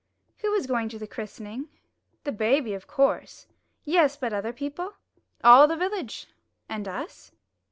"Who is going to the christening?" "The baby, of course." "Yes; but other people?" "All the village." "And us?"